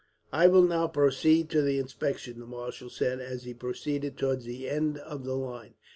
"I will now proceed to the inspection," the marshal said, and he proceeded towards the end of the line.